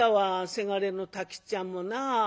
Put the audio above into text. せがれの太吉っちゃんもな」。